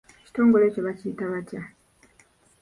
Ekitongole ekyo bakiyita batya?